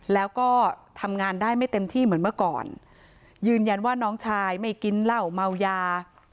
แล้วก็ทำงานได้ไม่เต็มที่เหมือนเมื่อก่อนยืนยันว่าน้องชายไม่กินเหล้าเมายา